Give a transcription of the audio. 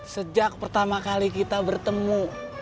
sejak pertama kali kita bertemu